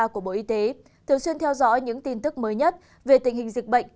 của bộ y tế thường xuyên theo dõi những tin tức mới nhất về tình hình dịch bệnh